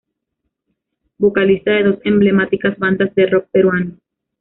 Vocalista de dos emblemáticas bandas de rock peruano.